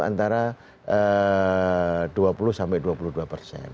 antara dua puluh sampai dua puluh dua persen